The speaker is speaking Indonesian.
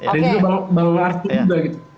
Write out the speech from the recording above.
dan juga bang arti juga gitu